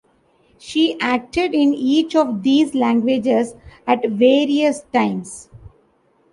She acted in each of these languages at various times.